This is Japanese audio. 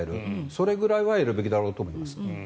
それぐらいはやるべきだろうと思います。